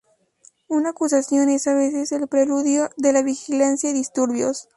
Una acusación es a veces el preludio de la vigilancia y disturbios.